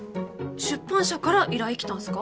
出版社から依頼きたんすか？